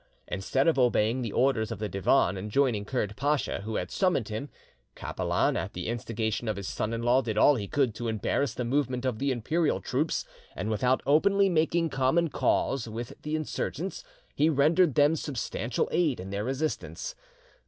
Instead of obeying the orders of the Divan and joining Kurd Pacha, who had summoned him, Capelan, at the instigation of his son in law, did all he could to embarrass the movement of the imperial troops, and without openly making common cause with the insurgents, he rendered them substantial aid in their resistance.